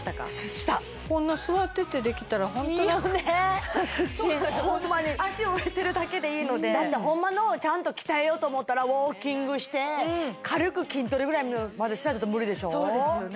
したこんな座っててできたらホントラクホンマに脚置いてるだけでいいのでだってホンマのちゃんと鍛えようと思ったらウォーキングして軽く筋トレぐらいまでしないと無理でしょそうですよね